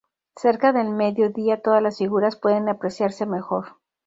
Cerca del medio día todas las figuras pueden apreciarse mejor.